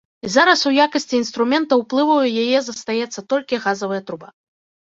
І зараз у якасці інструмента ўплыву ў яе застаецца толькі газавая труба.